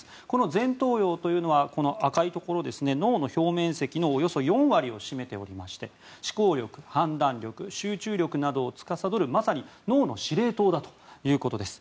前頭葉というのは赤いところですが、脳の表面積のおよそ４割を占めておりまして思考力、判断力、集中力などを司るまさに脳の司令塔だということです。